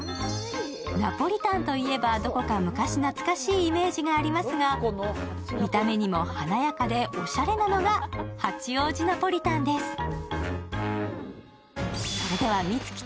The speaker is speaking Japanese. ナポリタンといえば、どこか昔懐かしいイメージがありますが、見た目にも華やかでおしゃれなのが八王子ナポリタンです。